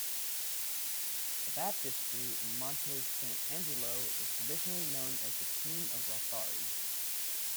A baptistery in Monte Sant'Angelo is traditionally known as the "Tomb of Rothari".